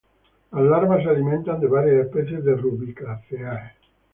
Las larvas se alimentan de varias especies de Rubiaceae.